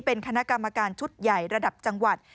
เป็นคณะกรรมการชุดใหญ่ระดับจังหวัด